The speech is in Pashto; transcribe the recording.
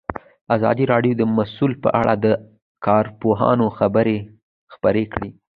ازادي راډیو د سوله په اړه د کارپوهانو خبرې خپرې کړي.